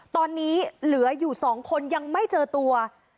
ตอนนี้เหลืออยู่๒คนยังไม่เจอตัว